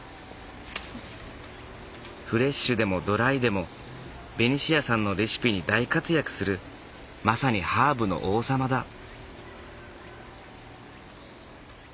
フレッシュでもドライでもベニシアさんのレシピに大活躍するまさにハーブの王様だ。